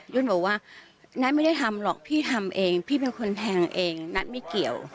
บอกว่านัทไม่ได้ทำหรอกพี่ทำเองพี่เป็นคนแทงเองนัทไม่เกี่ยว